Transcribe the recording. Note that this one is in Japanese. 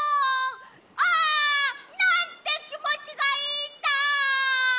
ああなんてきもちがいいんだ！